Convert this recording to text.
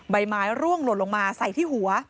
ใบไม้ร่วงหล่นลงมาใส่ที่หัว